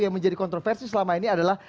yang menjadi kontroversi selama ini adalah